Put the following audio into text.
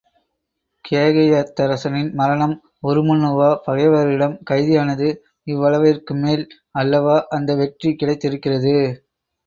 கேகயத்தரசனின் மரணம், உருமண்ணுவா பகைவரிடம் கைதியானது இவ்வளவிற்கும்மேல் அல்லவா அந்த வெற்றி கிடைத்திருக்கிறது?